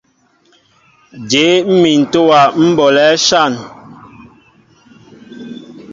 Jě mmin ntówa ḿ bolɛέ áshȃn ?